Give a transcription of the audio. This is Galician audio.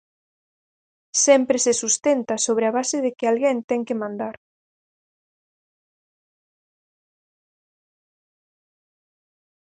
Sempre se sustenta sobre a base de que alguén ten que mandar.